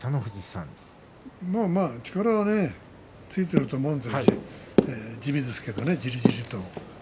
力はついていると思いますし、地味ですけれどもじりじりと。